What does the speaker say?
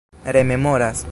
rememoras